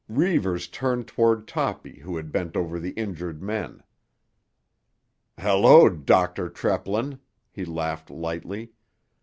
Reivers turned toward Toppy who had bent over the injured men. "Hello, Dr. Treplin," he laughed lightly.